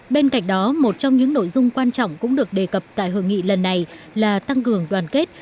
bên cạnh đó một trong những nội dung quan trọng cũng được đề cập tại hội nghị lần này là tăng cường đoàn kết